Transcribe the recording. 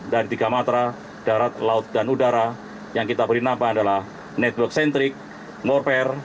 dari tiga matra darat laut dan udara yang kita beri nama adalah network centric morepare